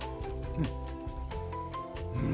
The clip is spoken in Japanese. うん！